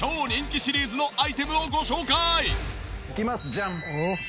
ジャン！